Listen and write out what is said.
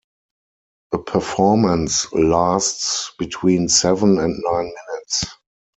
A performance lasts between seven and nine minutes.